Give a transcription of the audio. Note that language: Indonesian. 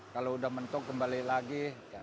kalau sudah mentok kembali lagi